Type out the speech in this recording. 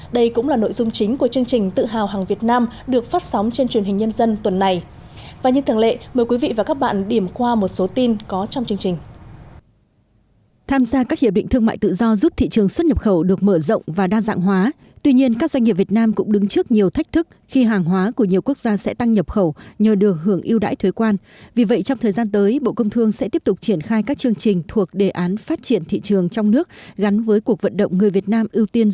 đây cũng là nội dung chính của chương trình tự hào hàng việt nam được phát sóng trên truyền hình nhân dân tuần này